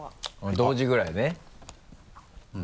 同時ぐらいね。